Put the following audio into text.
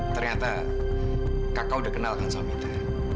ternyata kakak udah kenalkan sama mita